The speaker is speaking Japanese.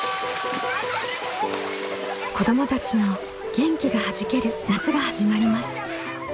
子どもたちの元気がはじける夏が始まります。